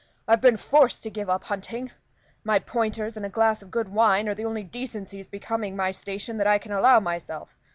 I've been forced to give up hunting; my pointers and a glass of good wine are the only decencies becoming my station that I can allow myself.